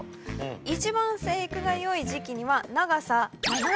一番生育がよい時期には。